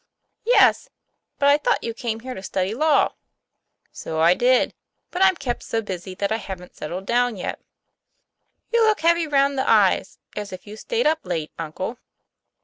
' Yes ! but I thought you came here to study law. " "So I did; but I'm kept so busy that I haven't settled down yet." ' You look heavy round the eyes, as if you stayed up late, uncle."